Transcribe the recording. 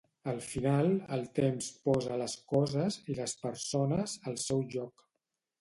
Al final, el temps posa les coses -i les persones- al seu lloc.